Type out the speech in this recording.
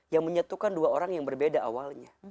yang menyatukan dua orang yang berbeda awalnya